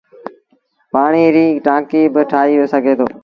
پآڻيٚ ريٚ ٽآنڪيٚ با ٺآهي سگھي دو۔